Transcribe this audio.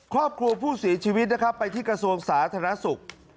ครอบครัวผู้เสียชีวิตนะครับไปที่กระทรวงสาธารณสุข